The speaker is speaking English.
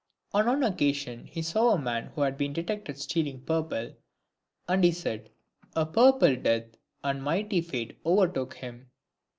On one occasion, he saw a man who had been detected stealing purple, and so he said :— A purple death, and mighty fate o'ertook him.